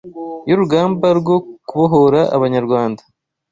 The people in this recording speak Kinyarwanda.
y’urugamba rwo kubohora Abanyarwanda,